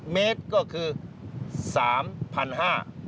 เมตรก็คือ๓๕๐๐บาท